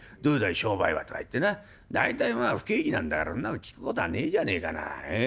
商売は』とか言ってな大体まあ不景気なんだからそんなの聞く事はねえじゃねえかなあ。